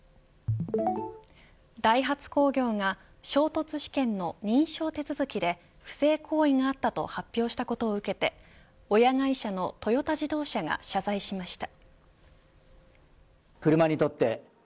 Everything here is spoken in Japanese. ダイハツ工業が、衝突試験の認証手続きで不正行為があったと発表したことを受けて親会社のトヨタ自動車が謝罪しました。